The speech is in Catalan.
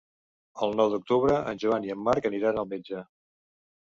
El nou d'octubre en Joan i en Marc aniran al metge.